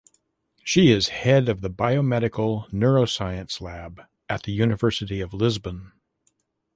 She is head of the Biomedical Neuroscience Lab at the University of Lisbon.